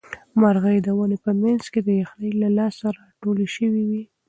مرغۍ د ونې په منځ کې د یخنۍ له لاسه راټولې شوې وې.